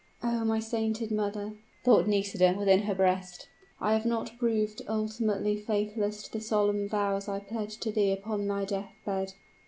"Oh! my sainted mother," thought Nisida within her breast, "I have not proved ultimately faithless to the solemn vows I pledged to thee upon thy death bed!